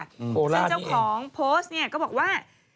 ซึ่งเจ้าของโพสต์ก็บอกว่า